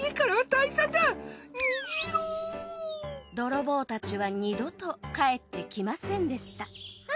泥棒たちは二度と帰ってきませんでしたあ